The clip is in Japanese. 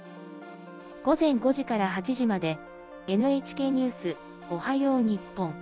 午前５時から８時まで「ＮＨＫニュースおはよう日本」。